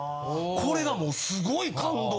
これがもうすごい感動